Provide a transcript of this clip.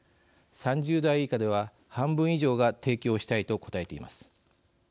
３０代以下では半分以上が提供したいと答えています。